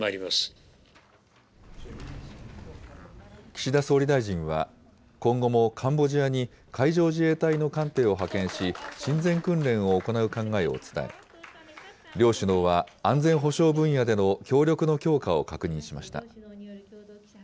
岸田総理大臣は、今後もカンボジアに海上自衛隊の艦艇を派遣し、親善訓練を行う考えを伝え、両首脳は安全保障分野での協力の強化を確認しました。